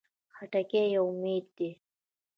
خټکی یو امید دی.